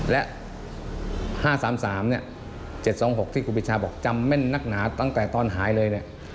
และ๕๓๓เนี่ย๗๒๖ที่ครูปีชาบอกจำแม่นนักหนาตั้งแต่ตอนหายเลยเนี่ย